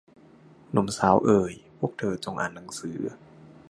หนุ่มสาวเอย พวกเธอจงอ่านหนังสือ